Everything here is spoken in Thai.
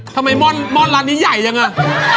ทำไมม่อนร้านนี้ใหญ่จังอ่ะ